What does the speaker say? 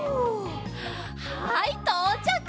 はいとうちゃく！